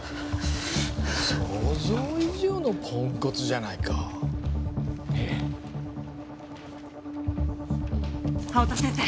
想像以上のポンコツじゃないかええ青戸先生